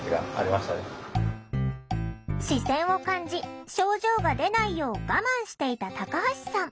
視線を感じ症状が出ないよう我慢していたタカハシさん。